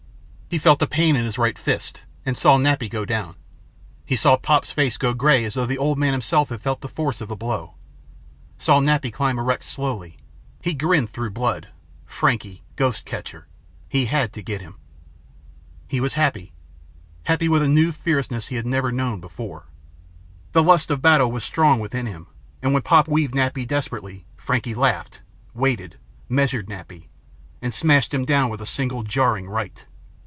He felt a pain in his right fist and saw Nappy go down. He saw Pop's face go gray as though the old man himself had felt the force of the blow. Saw Nappy climb erect slowly. He grinned through blood. Frankie ghost catcher. He had to get him. He was happy; happy with a new fierceness he had never before known. The lust of battle was strong within him and when Pop weaved Nappy desperately, Frankie laughed, waited, measured Nappy. And smashed him down with a single jarring right.